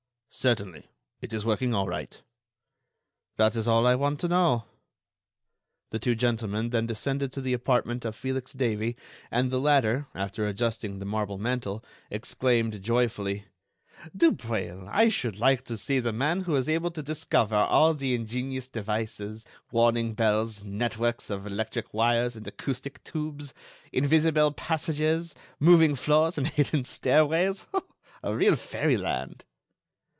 "Certainly; it is working all right." "That is all I want to know." The two gentlemen then descended to the apartment of Felix Davey and the latter, after adjusting the marble mantel, exclaimed, joyfully: "Dubreuil, I should like to see the man who is able to discover all the ingenious devices, warning bells, net works of electric wires and acoustic tubes, invisible passages, moving floors and hidden stairways. A real fairy land!"